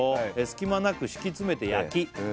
「隙間なく敷き詰めて焼き」